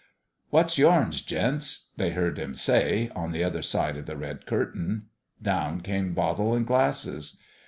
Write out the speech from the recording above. " What's yourn, gents ?" they heard him say, on the other side of the red curtain. Down came bottle and glasses.